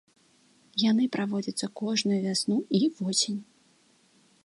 Яны праводзяцца кожную вясну і восень.